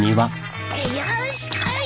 よし来い！